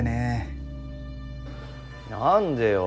何でよ。